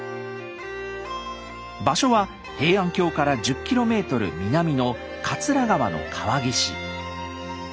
場所は平安京から１０キロメートル南の桂川の川岸。